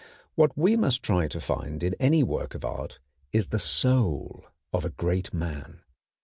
What we must try to find in any work of art is the soul of a great man.